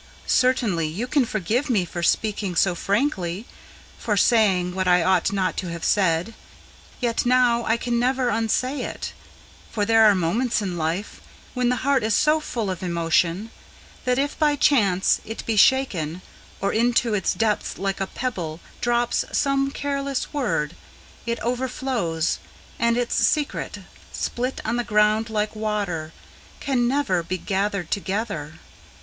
Certainly you can forgive me for speaking so frankly, for saying What I ought not to have said, yet now I can never unsay it; For there are moments in life, when the heart is so full of emotion, That if by chance it be shaken, or into its depths like a pebble Drops some careless word, it overflows, and its secret, Spilt on the ground like water, can never be gathered together.